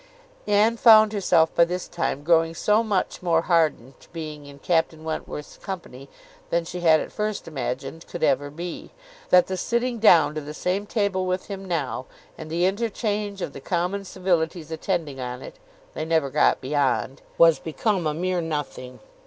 Anne found herself by this time growing so much more hardened to being in Captain Wentworth's company than she had at first imagined could ever be, that the sitting down to the same table with him now, and the interchange of the common civilities attending on it (they never got beyond), was become a mere nothing.